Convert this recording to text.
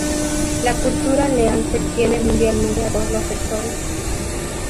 La cultura Lean se extiende mundialmente a todos los sectores.